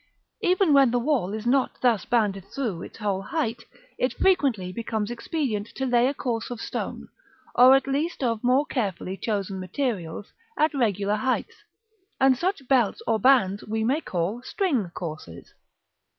Even when the wall is not thus banded through its whole height, it frequently becomes expedient to lay a course of stone, or at least of more carefully chosen materials, at regular heights; and such belts or bands we may call String courses.